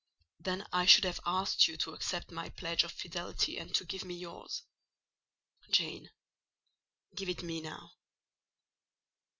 Then I should have asked you to accept my pledge of fidelity and to give me yours. Jane—give it me now."